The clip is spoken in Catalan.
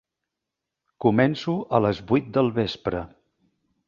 Començo a les vuit del vespre.